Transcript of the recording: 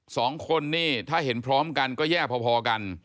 สองคนนี่ถ้าเห็นพร้อมกันก็แย่พอกัน